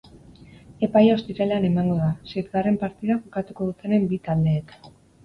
Epaia ostiralean emango da, seitgarren partida jokatuko dutenean bi taldeek.